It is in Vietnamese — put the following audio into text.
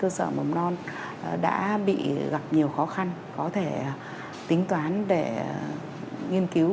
cơ sở mầm non đã bị gặp nhiều khó khăn có thể tính toán để nghiên cứu